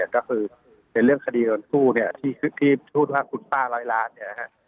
ก็คือในเรื่องคดีโดนกู้ที่พูดว่าคุณป้า๑๐๐ล้าน